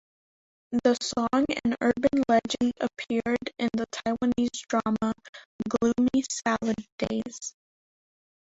The song and urban legend appeared in the Taiwanese drama "Gloomy Salad Days".